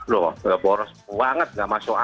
loh enggak boros banget enggak masuk akal